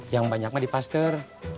yang banyaknya di pasteur